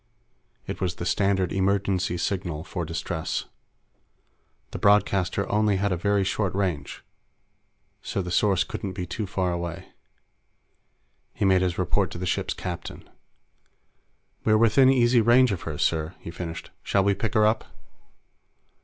It was the standard emergency signal for distress. The broadcaster only had a very short range, so the source couldn't be too far away. He made his report to the ship's captain. "We're within easy range of her, sir," he finished. "Shall we pick her up?"